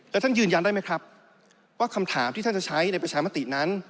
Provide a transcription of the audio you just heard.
แล้วท่านยืนยันได้ไหมครับว่าคำถามที่ท่านจะใช้ในประชามตินั้น